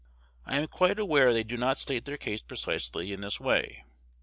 I am quite aware they do not state their case precisely in this way.